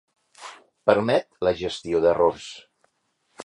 Permet la gestió d'errors.